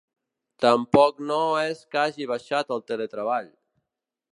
Tampoc no ho és que hagi baixat el teletreball.